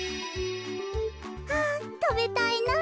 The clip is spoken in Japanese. あたべたいな。